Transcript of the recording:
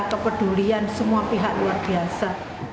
kepedulian semua pihak luar biasa